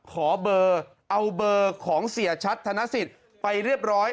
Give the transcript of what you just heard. ขอเบอร์เอาเบอร์ของเสียชัดธนสิทธิ์ไปเรียบร้อย